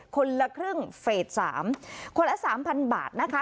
คนละครึ่งเฟส๓คนละสามพันบาทนะคะ